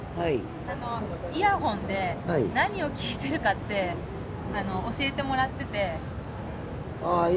イヤホンで何を聴いてるかって教えてもらってて。